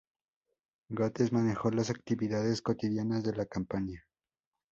Gates manejó las actividades cotidianas de la campaña.